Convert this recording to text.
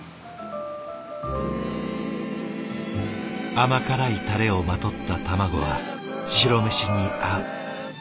甘辛いタレをまとった卵は白飯に合う。